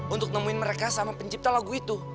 untuk nemuin mereka sama pencipta lagu itu